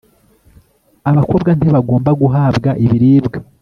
abakobwa ntibagomba guhabwa ibiribwa